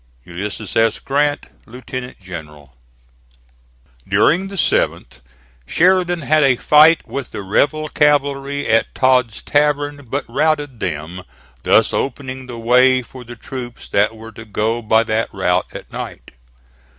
U. S. GRANT, Lieut. General. During the 7th Sheridan had a fight with the rebel cavalry at Todd's Tavern, but routed them, thus opening the way for the troops that were to go by that route at night.